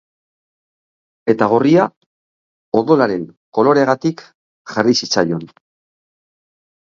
Eta gorria, odolaren koloreagatik jarri zitzaion.